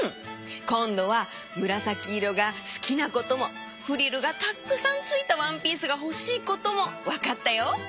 こんどはむらさきいろがすきなこともフリルがたっくさんついたワンピースがほしいこともわかったよ。